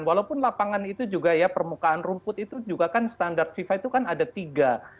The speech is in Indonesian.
walaupun lapangan itu juga ya permukaan rumput itu juga kan standar fifa itu kan ada tiga